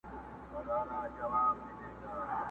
o چي خداى ئې ورکوي، بټل ئې يار دئ٫